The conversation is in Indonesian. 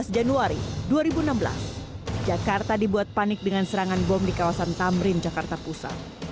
dua belas januari dua ribu enam belas jakarta dibuat panik dengan serangan bom di kawasan tamrin jakarta pusat